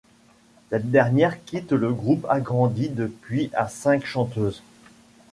Cette-dernière quitte le groupe agrandi depuis à cinq chanteuses.